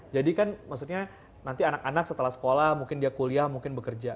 jadi kan maksudnya nanti anak anak setelah sekolah mungkin dia kuliah mungkin bekerja